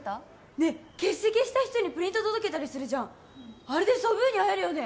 ねえ欠席した人にプリント届けたりするじゃんあれでソブーに会えるよね？